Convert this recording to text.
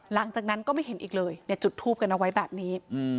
หลังจากนั้นก็ไม่เห็นอีกเลยจุดทูปกันเอาไว้แบบนี้